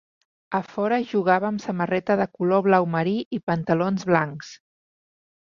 A fora jugava amb samarreta de color blau marí i pantalons blancs.